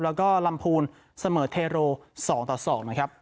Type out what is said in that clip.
แล้วก็ลำภูนย์สเมิร์ทซองต่อศอกนะครับ